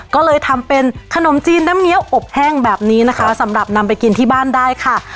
ก็เลยทำเป็นขนมจีนน้ำเงี้ยวอบแห้งแบบนี้นะคะสำหรับนำไปกินที่บ้านได้ค่ะ